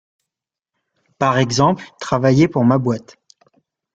Par exemple, travailler pour ma boîte.